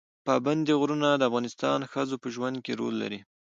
پابندی غرونه د افغان ښځو په ژوند کې رول لري.